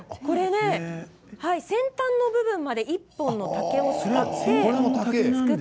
先端の部分まで１本の竹なんです。